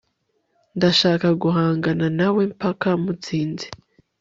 Ndashaka guhangana nawe mpaka mutsinze